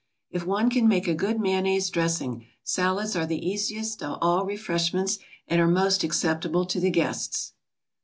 If one can make a good mayonnaise dressing, salads are the easiest of all refreshments, and are most acceptable to the guests.